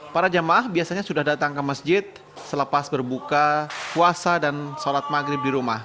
para jemaah biasanya sudah datang ke masjid selepas berbuka puasa dan sholat maghrib di rumah